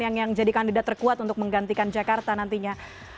yang jadi kandidat terkuat untuk menggantikan jakarta nantinya